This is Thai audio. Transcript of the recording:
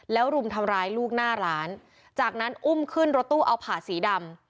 แล้วรุมทำร้ายลูกหน้าร้านจากนั้นอุ้มขึ้นรถตู้เอาผ่าสีดำ